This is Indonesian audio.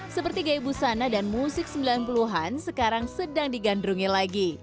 seperti gaya busana dan musik sembilan puluh an sekarang sedang digandrungi lagi